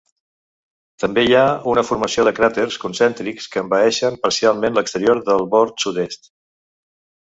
També hi ha una formació de cràters concèntrics que envaeixen parcialment l'exterior del bord sud-est.